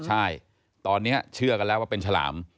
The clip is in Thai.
ใช่ตอนนี้เชื่อกันแล้วว่าเป็นฉลาม